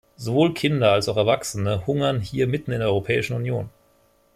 Sowohl Kinder als auch Erwachsene hungern hier mitten in der Europäischen Union.